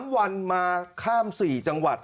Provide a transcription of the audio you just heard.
๓วันมาข้าม๔จังหวัด